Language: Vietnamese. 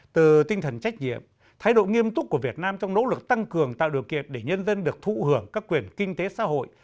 từ tinh thần trách nhiệm thái độ nghiêm túc của việt nam trong nỗ lực tăng cường tạo điều kiện để nhân dân được thụ hưởng các quyền kinh tế xã hội